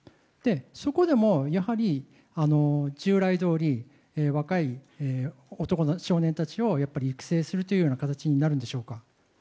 そこでも従来どおり若い少年たちを育成するという形になるんでしょうか。